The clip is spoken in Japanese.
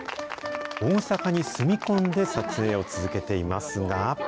大阪に住み込んで撮影を続けていますが。